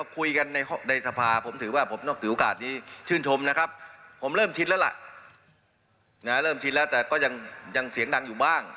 การแบบนี้แล้วแต่ก็ยังเสียงดังอยู่บ้าง